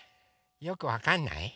よくわかんない？